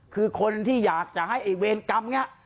คือคนที่อยากจะให้ไอ้เวรกรรมนี้